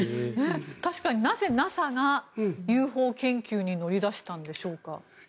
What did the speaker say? なぜＮＡＳＡがＵＦＯ研究に乗り出したんでしょうか。